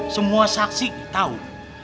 semua saksi tahu